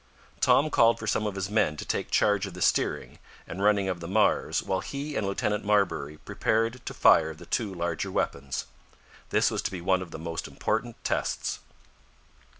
Tom called for some of his men to take charge of the steering and running of the Mars while he and Lieutenant Marbury prepared to fire the two larger weapons. This was to be one of the most important tests.